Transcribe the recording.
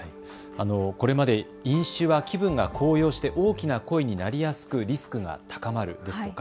これまで飲酒は気分が高揚して大きな超えになりやすくリスクが高まるですとか